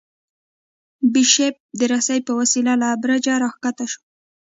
بیشپ د رسۍ په وسیله له برجه راکښته شو.